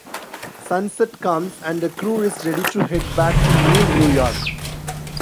Sunset comes, and the crew is ready to head back to New New York.